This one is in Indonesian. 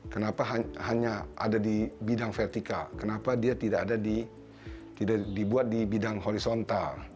kenapa hanya ada di bidang vertikal kenapa dia tidak dibuat di bidang horizontal